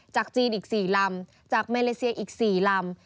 จีนอีก๔ลำจากมาเลเซียอีก๔ลำ